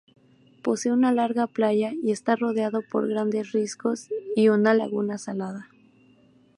Posee una larga playa y está rodeado por grandes riscos y una laguna salada.